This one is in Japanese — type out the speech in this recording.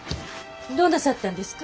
どうなさったんですか？